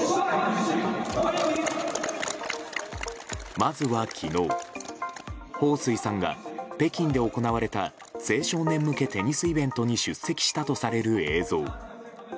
まずは、昨日ホウ・スイさんが北京で行われた青少年向けテニスイベントに出席したとされる映像。